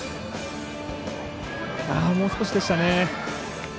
ああもう少しでしたね。